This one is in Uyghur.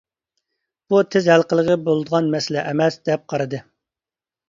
بۇ تېز ھەل قىلغىلى بولىدىغان مەسىلە ئەمەس، دەپ قارىدى.